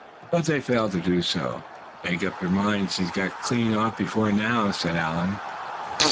But they failed to do so. "Make up your minds he's got clean off before now," said Allan.